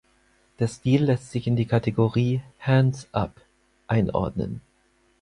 Der Stil lässt sich in die Kategorie Hands up einordnen.